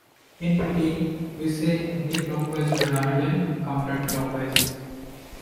In Britain we say Anti-clockwise rather than Counterclockwise